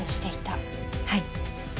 はい。